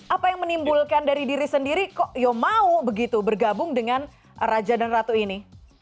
apa yang menimbulkan dari diri sendiri kok ya mau begitu bergabung dengan raja dan ratu ini